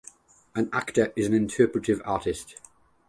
An actor is an interpretive artist.